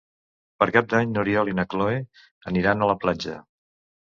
Per Cap d'Any n'Oriol i na Cloè aniran a la platja.